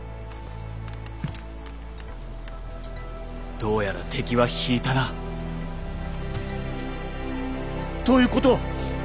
どうやら敵はひいたな。ということは。